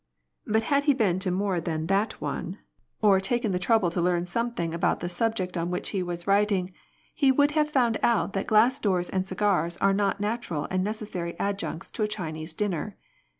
But had he been to more than that one, or A DINNER PARTY. 153 taken the trouble to learn something about the subject on which he was writing, he would have found out that glass doors and cigars are not natural and necessary adjuncts to a Chinese dinner.